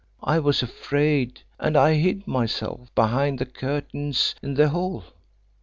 I was afraid, and I hid myself behind the curtains in the hall.